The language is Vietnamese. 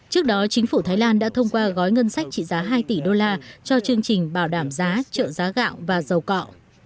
trước đó chính phủ thái lan đã thông qua gói ngân sách trị giá hai tỷ đô la cho chương trình bảo đảm giá trợ giá gạo và dầu cọ